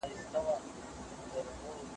ښوونکی د ټولنيزو علومو درس ورکوي.